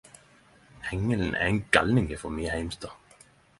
Engelen er ein galning frå min heimstad